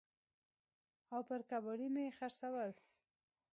او پر کباړي مې خرڅول.